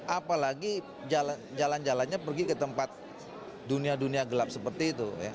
apalagi jalan jalannya pergi ke tempat dunia dunia gelap seperti itu